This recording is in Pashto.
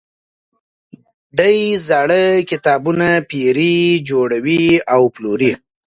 دی زاړه کتابونه پيري، جوړوي او پلوري.